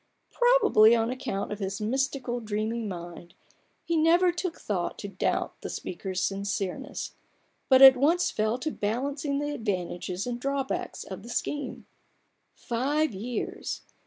Probably on account of his mystical, dreaming mind, he never took thought to doubt the speaker's sincereness, but at once fell to balancing the advantages and drawbacks of the scheme. Five years